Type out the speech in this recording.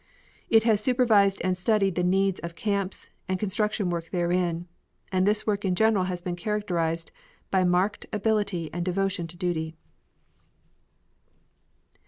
It has supervised and studied the needs of camps and construction work therein, and this work in general has been characterized by marked ability and devotion to duty.